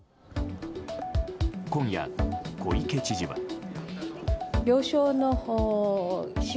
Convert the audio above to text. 今夜、小池知事は。